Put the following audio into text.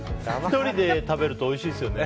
１人で食べるとおいしいですよね。